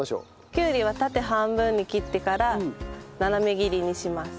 きゅうりは縦半分に切ってから斜め切りにします。